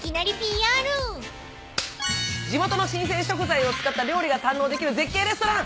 地元の新鮮食材を使った料理が堪能できる絶景レストラン。